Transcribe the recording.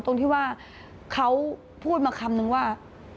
ตรงที่ว่าเขาพูดมาคำนึงว่า